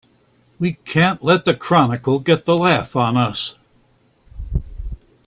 We can't let the Chronicle get the laugh on us!